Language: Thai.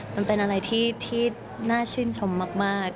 มันเป็นอะไรที่น่าชื่นชมมาก